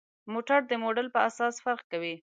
موټر د موډل پر اساس فرق کوي.